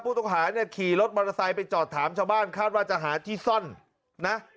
ผู้ต้องหาเนี่ยขี่รถมอเตอร์ไซค์ไปจอดถามชาวบ้านคาดว่าจะหาที่ซ่อนนะ